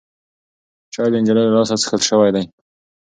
چای د نجلۍ له لاسه څښل شوی دی.